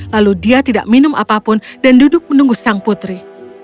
lalu dia tidak minum apapun dan duduk menunggu sang putri